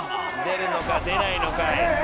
出るのか出ないのかい。